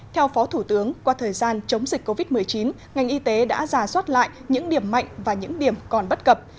theo phó thủ tướng qua thời gian chống dịch covid một mươi chín ngành y tế đã giả soát lại những điểm mạnh và những điểm còn bất cập